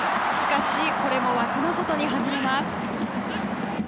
しかしこれも枠の外に外れます。